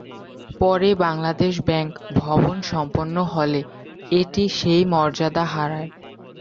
পরে বাংলাদেশ ব্যাংক ভবন সম্পন্ন হলে এটি সেই মর্যাদা হারায়।